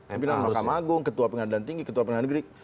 pimpinan mahkamah agung ketua pengadaan tinggi ketua pengadaan negeri